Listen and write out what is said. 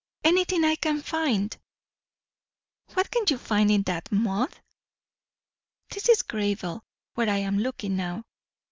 "Anything I can find!" "What can you find in that mud?" "This is gravel, where I am looking now."